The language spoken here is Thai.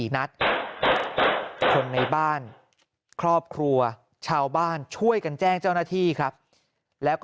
คนในบ้านครอบครัวชาวบ้านช่วยกันแจ้งเจ้าหน้าที่ครับแล้วก็